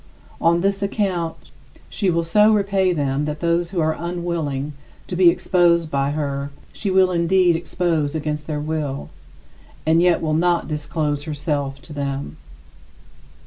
On this account, she will so repay them that those who are unwilling to be exposed by her she will indeed expose against their will, and yet will not disclose herself to them.